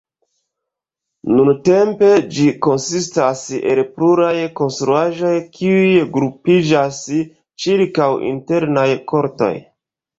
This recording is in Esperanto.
Nuntempe ĝi konsistas el pluraj konstruaĵoj kiuj grupiĝas ĉirkaŭ internaj kortoj.